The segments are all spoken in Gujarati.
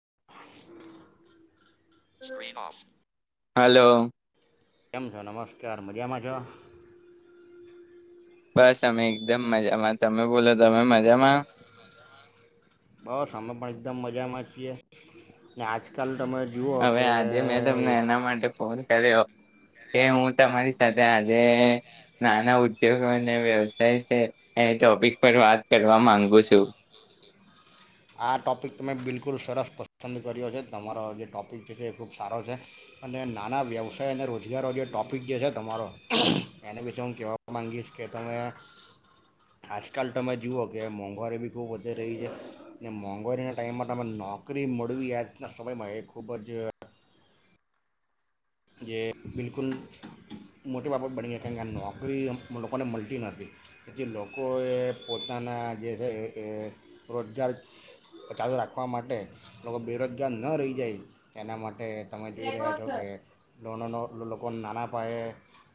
[inaudible] હલોો કેમ છો નમસ્કાર મજામાં છો બસ અમે એકદમ મજામાં તમે બોલો તમે મજામાં બસ અમે પણ એકદમ મજામાં છીએ આજકાલ તમે જુઓ હવે કે આજે મેં તમને એના માટે ફોન કર્યો કે હું તમારી સાથે આજે નાના ઉદ્યોગો અને વ્યવસાય છે એ ટોપિક પર વાત કરવા માંગુ છું આ ટોપિક તમે બિલકુલ સરસ પસંદ કર્યો છે તમારો જે ટૉપિક જે છે એ ખૂબ સારો છે અને નાના વ્યવસાય અને રોજગારો જે ટૉપિક જે છે તમારો એના વિશે હું કહેવા માંગીશ કે તમે આજકાલ તમે જુઓ કે મોંઘવારી બી ખૂબ વધી રહી છે અનેને મોંઘવારીના ટાઈમમાં તમે નોકરી મળવી જના સમયમાં એ ખૂબ જ જે બિલકુલ મોટી બાબત બની ગઈ કારણ કે નોકરી લોકોને મળતી નથી એથી લોકોએ પોતાના જે છે રોજગાર ચાલુ રાખવા માટે લોકો બેરોજગાર ન રહી જાય એના માટે તમે જોઈ રહ્યા છો કે લોનોનો લોકો નાના પાયે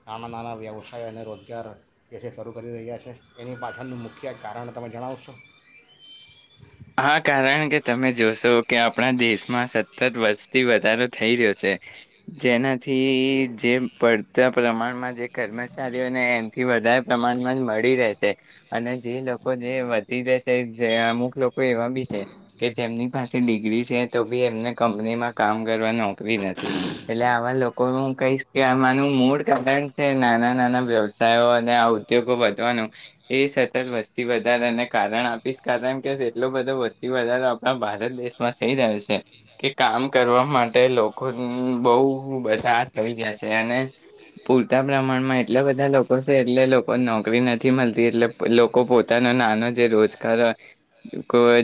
નાના નાના વ્યવસાય અને રોજગાર જે છે શરૂ કરી રહ્યા છે એની પાછળનું મુખ્ય કારણ તમે જણાવ છો હા કારણ કે તમે જોશો કે આપણા દેશમાં સતત વર્ષથી વધારો થઈ રહ્યો છે જેના થી જેમ પડ પ્રમાણમાં જે કર્મચારીઓને એથી વધારે પ્રમાણમાં મળી રહેશે અને જે લોકો જે વધી રહેશે જે અમુક લોકો એવા બી છે કે જેમની પાસે ડિગ્રી છે તો બી એમને કંપનીમાં કામ કરવા નોકરી નથી એટલે આવા લોકો હું કહીશ કે આમાંનું મૂળ કારણ છે નાના નાના વ્યવસાયો અને આ ઉદ્યોગો વધવાનું એ સતત વસ્તી વધાર એને કારણ આપીશ કારણ કે એટલો બધ વસ્તી વધારો આપણા ભારત દેશમાં થઈ રહ્યો છે કે કામ કરવા માટે લોકો બહુ બધા થઈ જ છે અને પૂરતા પ્રમાણમાં એટલા બધા લોકો છે એટલે લોકો નોકરી નથી મળતી એટલે લોકો પોતાનો નાનો જે રોજગાર હોય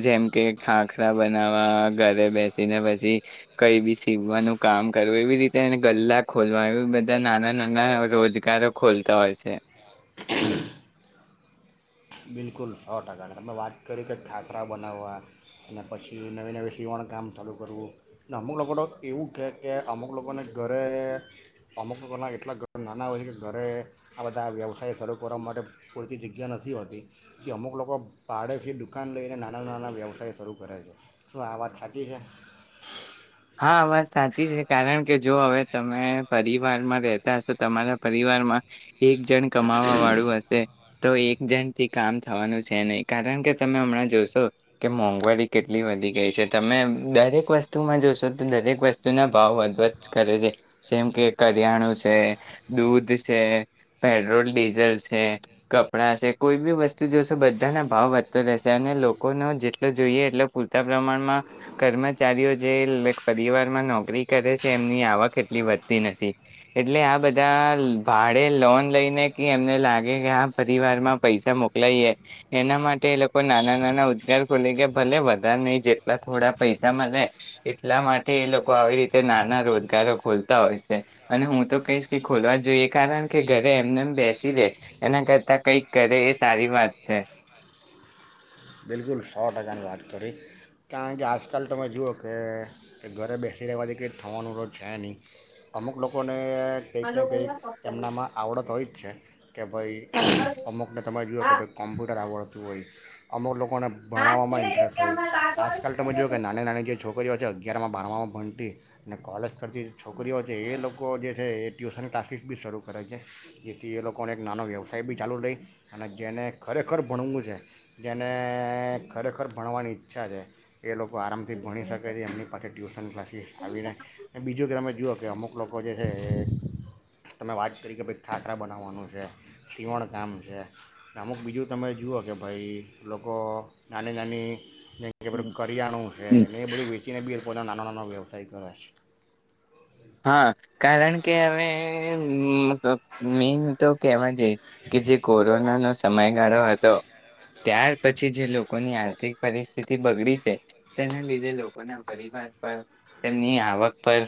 જેમ કે ખાખરા બનાવવા ઘરે બેસીને પછી કઈ બી સીવવાનું કામ કરવું એવી રીતે ગલ્લા ખોલવા એ બધા નાના નાના રોજગારો ખોલતા હોય છે બિલકુલ સો ટકા તમે વાત કરી કે ખાખરા બનાવવા અને પછી નવી નવી સીવણકામ ચાલું કરવું અમુક લોકો તો એવું કહે કે અમુક લોકોને ઘરે અમુક લોકોના એટલા ઘ નાના હોય છે કે ઘરે આ બધા વ્યવસાય ચાલ કરવા માટે પૂરતી જગ્યા નથી હોતી કે અમુક લોકો પાડેથી દુકાન લઈને નાના નાના વ્યવસાય શરૂ કરે છે શું આ વાત સાચી છે હા વાત સાચી છે કારણ કે જો હવે તમે પરિવારમાં રહેતા હશો તમારા પરિવારમાં એક જણ કમાવા વાળું હશે તો એક જણ થી કામ થવાનું છે નહીં કારણ કે તમે હમણાં જોશો કે મોંઘવારી કેટલી વધી ગઈ છે તમે દરેક વસ્તુમાં જોશો દરેક વસ્તુ ના ભાવ વધ કરે છે જેમ કે કરિયાણું છે દૂધ છે પેટ્રોલ ડીઝલ છે કપડા છે કોઈ બી વસ્તુ જોશો બધાના ભાવ વધતો રહેશે અને લોકોનો જેટલો જોઈએ એટલો પૂરતા પ્રમાણમાં કર્મચારીઓ જે પરિવારમાં નોકરી કરે છે એમની આવક એટલી વધતી નથી એટલે આ બધા ભાડે લોન લઈને કે એમને લાગે કે આ પરિવાર માં પૈસા મોકલાઇએે એના માટે એ લોકો નાના નાના ઉદગાર ખોલે કે ભલે વધારે નહી જેટલા થોડા પૈસામાં રહેે. એટલા માટે એ લોકો આવી રીતે નાના રોજગારો ખોલતા હોય છે અને હું તો કહીશ કે ખોલવા જ જોઈએ કારણ કે ઘરે એમને એમ બેસી રહે એના કરતા કઈક કરે એ સારી વાત છે. બિલકુલ સો ટકાની વાત કરી કારણ કે આજકાલ તમે જુઓ કે ઘરે બેસી રહેવાથી કંઈ થવાનું તો છે નહીં અમુક લોકોને ને કંઈક ને કંઈક એમનામાં આવડત હોય જ છે. ભઈ અમુકને તમે જુઓ કે ભાઈ કોમ્પ્યુટર આવડત દુબઈ બોલો. લોકોને ભણાવવામાં ઇન્ટરેસ્ટ હોય. આજકાલ તમે જો કે નાના નાની જે છોક છોકરીઓ છે અગિયારમાં બારમાં ભણતી અને કોલેજ ભણતી છોકરીઓ છે એ લોકો જે છે એ ટ્યુશન ક્લાસીસ બી શરૂ કરે છે જેથી એ લોકોને એક નાનો વ્યવસાય બી ચાલુ રહી અને જેને ખરેખર ભણવું છે. જેને ખરેખર ભણવાની ઈચ્છા છે. એ લોકો આરામથી ભણી શકે છે એમની પાસે ટ્યુશન ક્લાસીસ આવીને બીજું પછી જુઓ કે અમુક લોકો જે છે એ તમે વાત કરી કે ભાઈ ખાખરા બનાવવાનું છે સીવણ કામ છે અમુક બીજું તમે જુઓ કે ભાઈ લોકો નાની નાની કરિયાણું છે ને એ બધું વેચીને બી નાના નાના નાના વ્યવસાય કરે છે હા કારણ કે અમે મેઈન તો કહેવાનું રહી ગયું કે જે કોરોનાનો સમય જે સમયગાળો હતો ત્યાર પછી જે લોકોની આર્થિક પરિસ્થિતિ બગડી છે તેના લીધે લોકોના પરિવાર પર તેમની આવક પર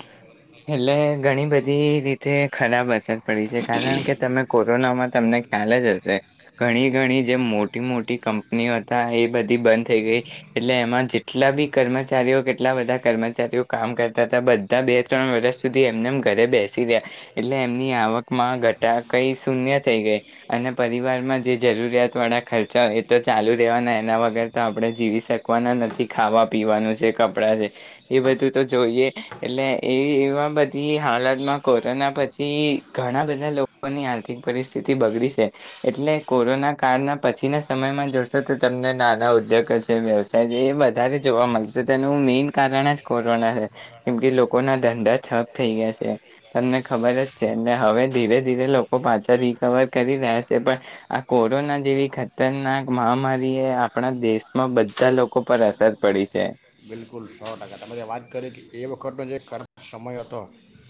એટલે ઘણી બધી રીતે ખરાબ હશે. પડી છે કારણ કે તમે કોરોનામાં તમને ખ્યાલ જ હશે ઘણી ઘણી જે મોટી મોટી કંપનીઓ હતા એ બધી બંધ થઈ ગઈ એટલે એમાં જેટલા બી કર્મચારીઓ કેટલા બધા કર્મચારીઓ કામ કરતા હતા બધા બે ત્રણ વર્ષ સુધી એમનેમ ઘરે બેસી રહ્યા એટલે એમની આવકમાં ઘટા કઈ શૂન્ય થઈ ગઈ અને પરિવારમાં જે જરૂરિયાત વાળા ખર્ચાય એ તો ચાલુ રહેવાના એના વગર તો આપણે જીવી શકવાના નથી. ખાવા પીવાનું છે કપડાં છે એ બધું તો જોઈએ એટલે એ એવા બધી હાલતમાં કોરોના પછી ઘણા બધા લોકોની આર્થિક પરિસ્થિતિ બગડી છે એટલે કોરોના કાળના પછીના સમયમાં જોશો તો તમને નાના ઉદ્યોગ છે વ્યવસાય છે એ વધારે જોવા મળશે તેનું મેઇન કારણ જ કોરોના છે કેમ કે લોકોના ધંધા ઠપ થઈ ગયા છે તમને ખબર જ છે ને હવે ધીરે ધીરે લોકો પાછા રિકવર કરી રહ્યા છે પણ આ કોરોના જેવી ખતરનાક મહામારી એ આપણા દેશમાં બધા લોકો પર અસર પડી છે. બિલકુલ સો ટકા તમે જે વાત કરી કે એ વખતનો જે ખરાબ સમય હતો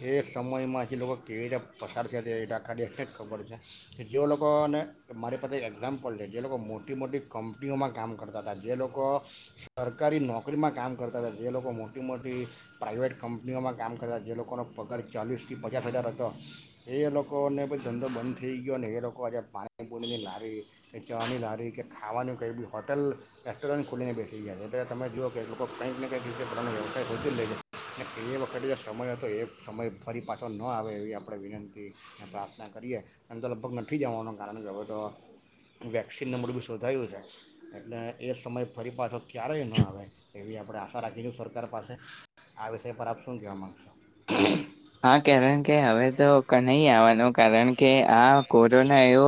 એ સમયમાંથી લોકો કેવી રીતે પસારશે તે એ દખાડીે છે જ ખબર છે કે જે લોકોને મારી પાસે એક્ઝામ્પલ છે જે લોકો મોટી મોટી કંપનીઓમાં કામ કરતા હતા જે લોકો સરકારી નોકરી નોકરીમાં કામ કરતા હતા જે લોકો મોટી મોટી પ્રાઇવેટ કંપનીઓમાં કામ કરતા જે લોકોનો પગાર ચાલીસથી પચાસ હજાર હતો એ લોકોને બછી ધંધો બંધ થઈ ગયો ને એ લોકો આજે પાણીપુરીની લારી કે ચની લારી કે ખાવાનું કંઈ બી હોટલ રેસ્ટોરન્ટ ખુલીને બેસી ગયા છે એટલે તમે જુ કે લોકો કંઈક ને કંઈક રીતે પોનો વ્યવસાય શોધી લે અને એ વખતે જે સમય હતો એ સમય ફરી પાછો ન આવે એવી આપણે વિનંતી અને પ્રાર્થના કરીએ અને તો લગભગ નથી જવાનું કારણે હવે તો વેક્સિન નંબર બી શોધાયું છે એટલે એ સમય ફરી પાછો ક્યારેય ન આવે. એવી આપણે આશા રાખીશું સરકાર પાસે આ વિષય પર આપ શું કહેવા માગશો. હા કારણકે કે હવે તો નહી આવવાનો કારણ કે આ કોરોના એવો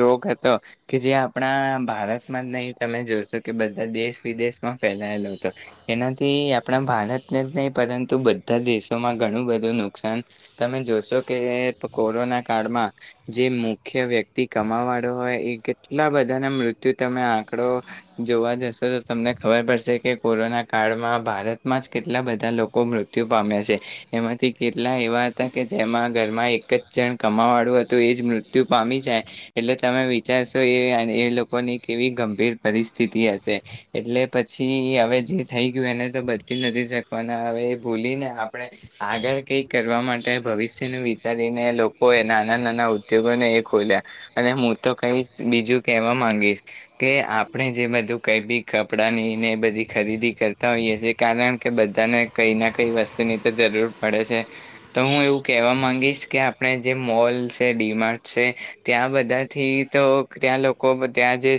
રોગ હતો કે જે આપણા ભારતમાં જ નહીં તમે જોશો કે બધા દેશ વિદેશમાં ફેલાયેલો હતો એનાથી આપણા ભારતને જ નહી પરંતુ બધા દેશોમાં ઘણું બધું નુકસાન તમે જોશો કે કોરોના કાળમાં જે મુખ્ય વ્યક્તિ કમા વાળો હોય એ કેટલા બધાના મૃત્યુ તમે આંકડો જોવા જશો તો તમને ખબર પડશે કે કોરોના કાળમાં ભારતમાં જ કેટલા બધા લોકો મૃત્યુ પામ્યા છે એમાંથી કેટલા એવા હતા કે જેમાં ઘરમાં એક જ જણ કમાવાળું હતું એ જ મૃત્યુ પામી જાય એટલે તમે વિચારશો એ એ લોકોની કેવી ગંભીર પરિસ્થિતિ હશે એટલે પછી હવે જે થઈ ગયું એને તો બદલી નથી શકવાના હવે એ ભૂલીને આપણે આગળ કઈક કરવા માટે ભવિષ્ય ન વિચારીને લોકો એ નાના નાના ઉદ્યોગોને એ ખોલ્યા અને હું તો કઈશ બીજું કહેવા માંગીશ કે આપણે જે બધું કઈ બી કપડાંની ને એ બધી ખરીદી કરતા હોઈએ છે કારણ કે બધાને કઈ ના કઈ વસ્તુની તો જરૂર પડે છે તો હું એવું કેહેવા માંગીશ કે આપણે જે મોલ છે ડીમાર્ટ છે ત્યાં બધાથી તો ત્યાં લોકો ત્યાં જે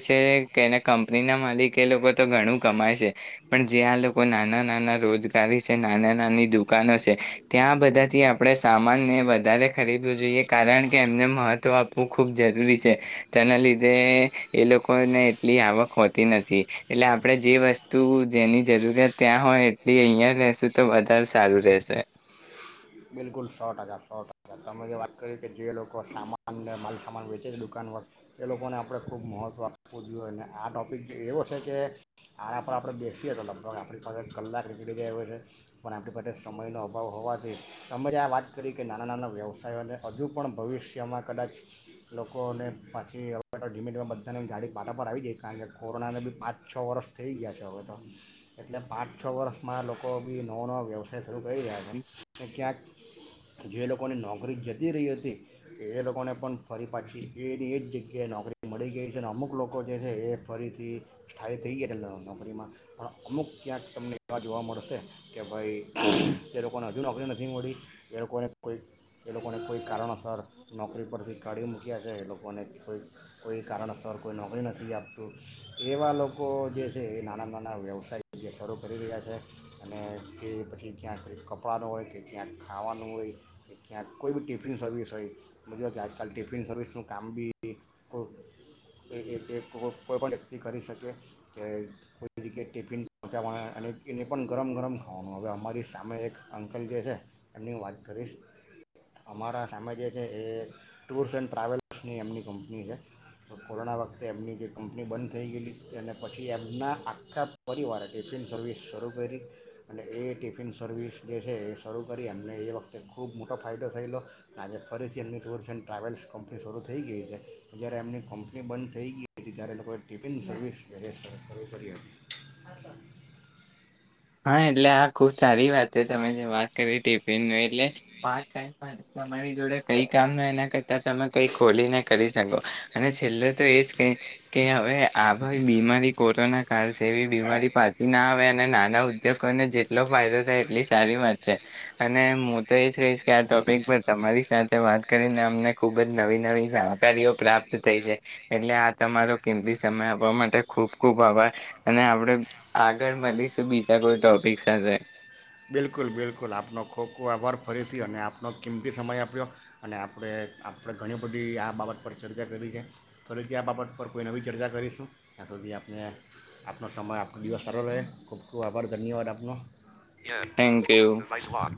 છેને કંપનીના માલિક એ લોકો તો ઘણું કમાય છે પણ જે આ લોકો નાના નાના રોજગારી છે નાના નાની દુકાનો છે ત્યાં બધાથી આપણે સામાનને વધારે ખરીદવું જોઈએ કારણ કે એમને મહત્વ આપવું ખૂબ જરૂરી છે તેના લીધે એ લોકોને એટલી આવક હોતી નથી એટલે આપણે જે વસ્તુ જેની જરૂરિયાત ત્યાં હોય એટલી અહીંયા રહેશું તો વધારે સારું રહેશે બિલકુલ સો ટકા સો ટકા તમે જે વાત કરી કે જે લોકો સામાનને માલ સામાન વેચે છે દુકાન પર એ લોકોને આપણે ખૂબ મહત્ત્વ આપવું જોઈએ અને આ ટોપિક એવો છે કે આના પર આપણે બેસીએ તો લગભગ આપણી પાસે કલાક નીકળી જાય હો છે પણ આપણી પાસે સમયનો અભાવ હોવાથી તમારી આ વાત કરી કે નાના નાના વ્યવસાયોને હજુ પણ ભવિષ્યમાં કદાચ લોકોને પાછી હવે ધીમે ધમે બધાની જાાડી પાટા પર આવી જાય કારણ કે કોરોનાને બી પાંચ છ વર્ષ થઈ ગયા છે હવે તો એટલે પાંચ છ વર્ષમાં લોકો બી નવો નવાો વ્યવસાય શરૂ કરી રહ્યા છે અને ક્યાંક જે લોકોની નોકરી જતી રહી હતી એ લોકોને પણ ફરી પાછી એ જ એ જ જગ્યાએ નોકરી મળી ગઈ છે અને અમુક લોકો જે છે એ ફરીથી સ્થાયી થઈ ગયા નોકરીમાં પણ અમુક ક્યાંક તમને એવા જોવા મળશે કે ભાઈ એ લોકોને હજુ નોકરી નથી મળી એ લોકોને એ લોકોને કોઈ કારણસર નોકરી પરથી કાઢી ગયા છે એ લોકોને કોઈ કોઈ કારણસર કોઈ નોકરી નથી આપતું એવા લોકો જે છે એ નાના નાના વ્યવસાય જે શરૂ કરી રહ્યા છે અને તે પછી ક્યાંક કપડાંનો હોય કે ક્યાંક ખાવાનું હોય ક્યાંક કોઈ બી ટિફિન સર્વિસ હોય બજબ કે આજકાલ ટિફિન સર્વિસનું કામ બી કોઈ પણ વ્યક્તિ કરી શકે કે કોઈ જીએ ટિફિન પહોંચાવા અને એને પણ ગરમ ગરમ ખાવાનું હવે અમારી સામે એક અંકલ જે છે. એમની વાત કરીશ અમારા સામે જે છે એ ટૂર્સ એન્ડ ટ્રાવેલ્સની એમની કંપની છે તો કોરોના વખતે એમની જે કંપની બંધ થઈ ગયેલી અને પછી એમના આખા પરિવારે ટિફિન સર્વિસ શરૂ કરી અને એ ટિફિન સર્વિસ જે છે એ શરૂ કરી એમને એ વખતે ખૂબ મોટો ફાયદો થયેલો આજે ફરીથી એમની ટૂર્સ એન્ડ ટ્રાવેલ્સ કંપની શરૂ થઈ ગઈ છે પણ જ્યારે એમની કંપની બંધ થઈ ગઈ હતી ત્યારે લોકોએ ટિફિન સર્વિસ વ કરી હતી હા એટલે આ ખુબ સારી વાત છે તમે જે વાત કરી ટિફિન એટલે પાર્ટ ટાઈમ તમારી જોડે કઈ કામ ન એના કરતા તમે કઈ ખોલીને કરી શકો અને છેલ્લે તો એજ કે કે હવે આ બીમારી કોરોના કાળ છે એવી બીમારી પાછી ના આવે અને નાના ઉદ્યોગોને જેટલો ફાયદો થાય એટલી સારી વાત છે અને હું તો એ જ કહીશ કે આ ટોપિક પર તમારી સાથે વાત કરીને અમને ખુબ જ નવી નવી જાણકારીઓ પ્રાપ્ત થઈ છે એટલે આ તમારો કિંમતી સમય આપવા માટે ખૂબ ખૂબ આભાર અને આપણે આગળ મળીશ બીજ જા ટોપિક સાથે બિલકુલ બિલકુલ આપનો ખૂબ ખૂબ આભાર ફરીથી અને આપનો કિંમતી સમય આપ્યો અને આપણે આપણે ઘણી બધી આ બાબત પર ચર્ચા કરી છે ફરીથી આ બાબત પર કોઈ નવી ચર્ચા કરીશું ત્યાં સુધી આપને આપનો સમય આપણ દિવસ સારો રહે ખૂબ ખૂબ આભાર ધન્યવાદ આપનો થેન્ક યુ [inaudible] ધન્યવાદ